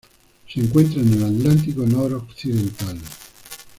Se encuentran en el Atlántico noroccidental.